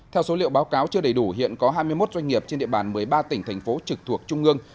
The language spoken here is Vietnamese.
theo số liệu báo cáo chưa đầy đủ hiện có hai mươi một doanh nghiệp trên địa bàn một mươi ba tỉnh thành phố trực thuộc trung ương